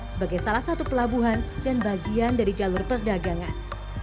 sebagai salah satu pelabuhan dan bagian dari jalur perdagangan